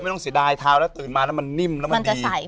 ไม่ต้องเสียดายเท้าแล้วตื่นมาแล้วมันนิ่มแล้วมันดี